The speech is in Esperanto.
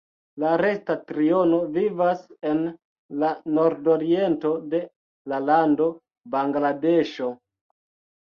La resta triono vivas en la nordoriento de la lando Bangladeŝo.